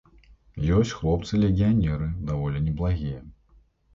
Ёсць хлопцы-легіянеры даволі неблагія.